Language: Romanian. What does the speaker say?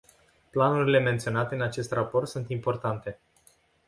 Planurile menționate în acest raport sunt importante.